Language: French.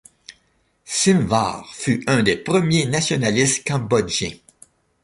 Sim Var fut un des premiers nationalistes cambodgiens.